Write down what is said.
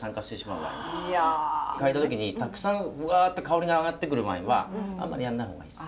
嗅いだ時にたくさんわっと香りが上がってくるワインはあんまりやらない方がいいです。